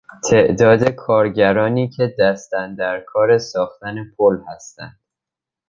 تعداد کارگرانی که دست اندرکار ساختن پل هستند